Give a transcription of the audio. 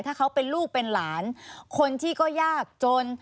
ถ้าเขาเป็นลูกเป็นหลานคนที่ก็ยากจน